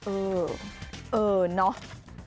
เออเออเนาะ